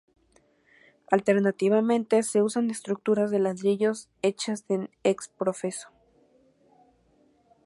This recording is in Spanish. Alternativamente se usan estructuras de ladrillos hechas ex profeso.